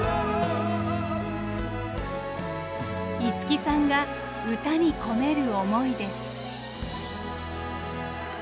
五木さんが歌に込める思いです。